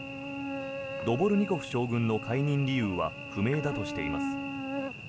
ドボルニコフ将軍の解任理由は不明だとしています。